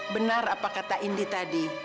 benar apa kata indi tadi